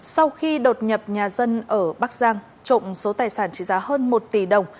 sau khi đột nhập nhà dân ở bắc giang trộm số tài sản trị giá hơn một tỷ đồng